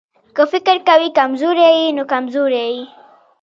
که فکر کوې چې کمزوری يې نو کمزوری يې.